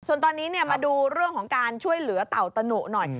ส่วนตอนนี้มาดูเรื่องของการช่วยเหลือเต่าตะหนุหน่อย